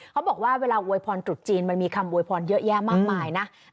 เขาบอกว่าเวลาอวยพรตรุษจีนมันมีคำโวยพรเยอะแยะมากมายนะ